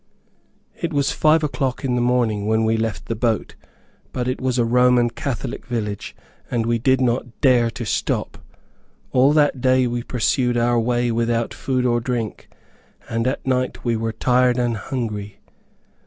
It was five o'clock in the morning when we left the boat, but it was a Roman Catholic village, and we did not dare to stop. All that day we pursued our way without food or drink, and at night we were tired and hungry.